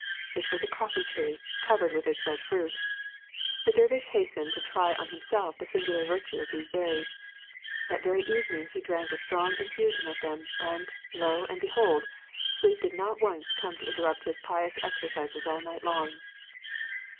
It was a coffee tree, covered with its red fruit. The dervish hastened to try on himself the singular virtue of these berries. That very evening he drank a strong infusion of them, and, lo and behold! sleep did not once come to interrupt his pious exercises all night long.